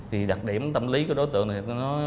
thì đặc điểm tâm lý của đối tượng này